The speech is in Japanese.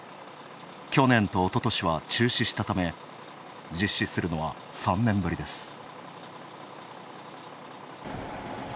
去年と、おととしは中止したため、実施するのは３年ぶりです。